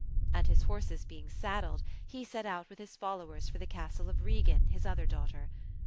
And his horses being saddled, he set out with his followers for the castle of Regan, his other daughter.